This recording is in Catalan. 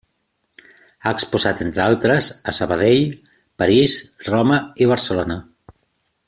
Ha exposat, entre altres, a Sabadell, París, Roma i Barcelona.